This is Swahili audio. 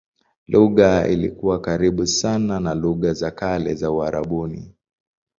Lugha ilikuwa karibu sana na lugha za kale za Uarabuni.